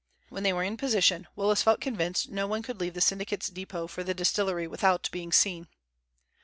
When they were in position, Willis felt convinced no one could leave the syndicate's depot for the distillery without being seen.